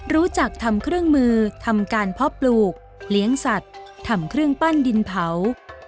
รู้จักทำเครื่องมือทำการเพาะปลูกเลี้ยงสัตว์ทำเครื่องปั้นดินเผา